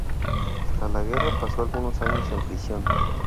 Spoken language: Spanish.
Tras la guerra, pasó algunos años en prisión.